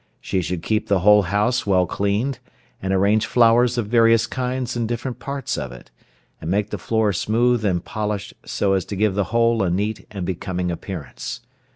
She should keep the whole house well cleaned, and arrange flowers of various kinds in different parts of it, and make the floor smooth and polished so as to give the whole a neat and becoming appearance.